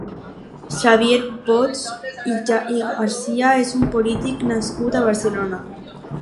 Xavier Bosch i Garcia és un polític nascut a Barcelona.